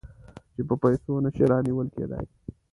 چې په پیسو نه شي رانیول کېدای.